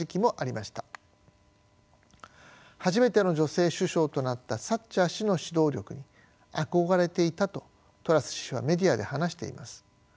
初めての女性首相となったサッチャー氏の指導力に憧れていたとトラス氏はメディアで話しています。